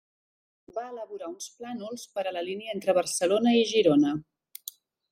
Va elaborar uns plànols per a la línia entre Barcelona i Girona.